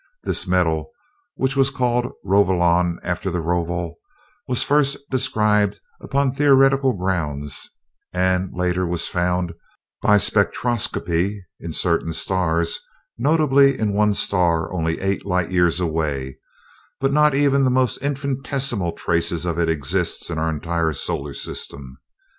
This metal, which was called Rovolon after the Rovol, was first described upon theoretical grounds and later was found, by spectroscopy, in certain stars, notably in one star only eight light years away, but not even the most infinitesimal trace of it exists in our entire solar system.